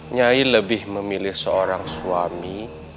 nyai lebih memilih seorang suami